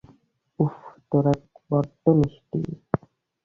উফ, তোরা বড্ড মিষ্টি।